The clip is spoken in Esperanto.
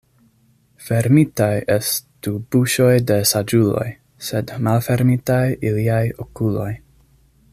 Fermitaj estu buŝoj de saĝuloj, sed malfermitaj iliaj okuloj.